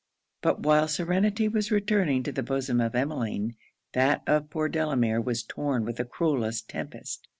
But while serenity was returning to the bosom of Emmeline, that of poor Delamere was torn with the cruellest tempest.